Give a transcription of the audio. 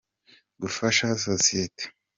gufasha sosiyete.